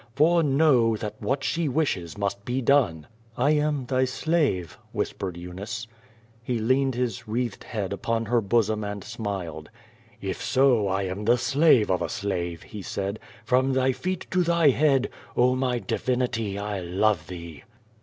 For know, that what she wishes must be done." "I am thy slave," whispered Eunice. lie leani'd his wreathed head ujmn her bosom and smiled. "If so 1 am the slave of a slave," he said. "From thy feet to thy head, oh my divinity! I love thee."